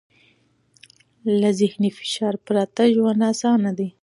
له ذهني فشار پرته ژوند اسان دی.